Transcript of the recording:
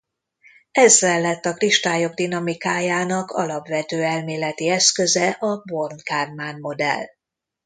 Ezzel lett a kristályok dinamikájának alapvető elméleti eszköze a Born–Kármán-modell.